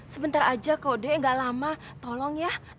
sebentar aja kok de gak lama tolong ya